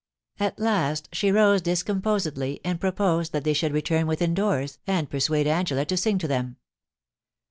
At last she rose discomposedly and proposed that they should return within doors and persuade Angela to sing to them.